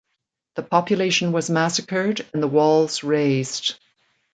The population was massacred and the walls razed.